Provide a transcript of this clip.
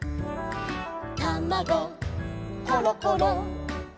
「たまごころころ」